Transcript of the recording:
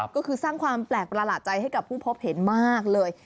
ก็คือสร้างความแปลกประหลาดใจให้กับผู้พบเห็นมากเลย